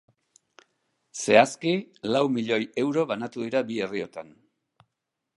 Zehazki, lau milioi euro banatu dira bi herriotan.